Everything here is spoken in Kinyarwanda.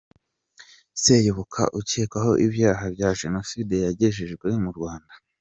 Seyoboka ukekwaho ibyaha bya Jenoside yagejejwe mu Rwanda.